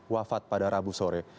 wafat pada rabu sore